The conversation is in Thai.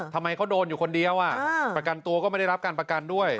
ทำไมเขาโดนอยู่คนเดียวประกันตัวก็ไม่ได้รับการประกันด้วย